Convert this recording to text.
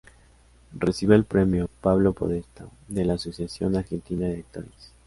Recibió el premio "Pablo Podestá" de la Asociación Argentina de Actores.